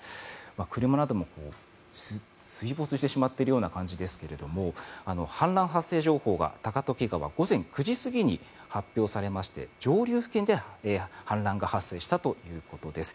車なども水没してしまっているような感じですが氾濫発生情報が高時川、午前９時過ぎに発表されまして、上流付近で氾濫が発生したということです。